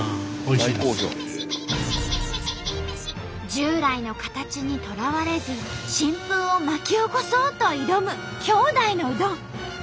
従来の形にとらわれず新風を巻き起こそうと挑む兄弟のうどん。